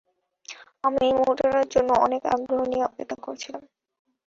আমি এই মুহূর্তটার জন্য অনেক আগ্রহ নিয়ে অপেক্ষা করছিলাম।